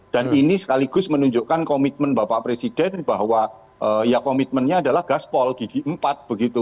dan ini sekaligus menunjukkan komitmen bapak presiden bahwa ya komitmennya adalah gaspol gigi empat begitu